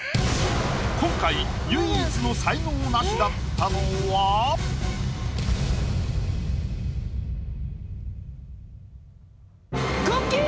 今回唯一の才能ナシだったのは⁉くっきー！